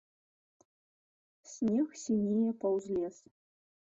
Снег сінее паўз лес.